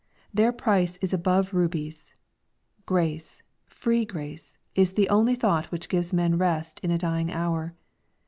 Their price is above rubies Grace, free grace, is the only thought which gives men rest in a dying hour.